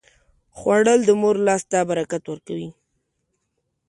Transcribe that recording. خوړل د مور لاس ته برکت ورکوي